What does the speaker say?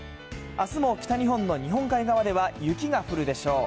あすも北日本の日本海側では雪が降るでしょう。